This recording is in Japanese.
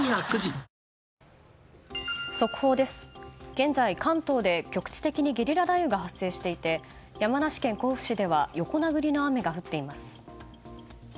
現在、関東で局地的にゲリラ雷雨が発生していて山梨県甲府市では横殴りの雨が降っています。